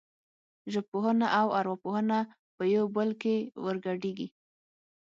ژبپوهنه او ارواپوهنه په یو بل کې ورګډېږي